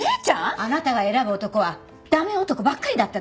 あなたが選ぶ男は駄目男ばっかりだったでしょ。